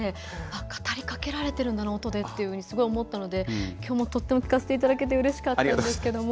語りかけられてるんだな音でっていうふうにすごい思ったのできょうも、とっても聴かせていただけてうれしかったんですけども。